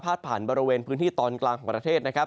ผ่านบริเวณพื้นที่ตอนกลางของประเทศนะครับ